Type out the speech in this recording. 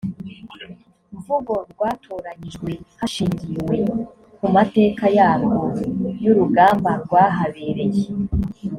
mvuzo rwatoranyijwe hashingiwe ku mateka yarwo y urugamba rwahabereye